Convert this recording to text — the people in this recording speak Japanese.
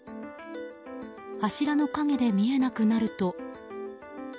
柱の陰で見えなくなると。